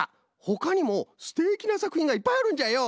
ほかにもすてきなさくひんがいっぱいあるんじゃよ。